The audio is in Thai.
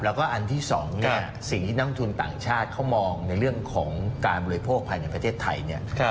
แล้วก็อันที่๒เนี่ยสิ่งที่นักทุนต่างชาติเขามองในเรื่องของการบริโภคภายในประเทศไทยเนี่ย